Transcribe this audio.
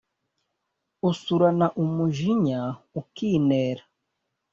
Usurana umujinya ukinera.